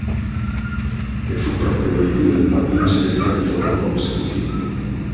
E fu proprio il a vincere il terzo oro consecutivo.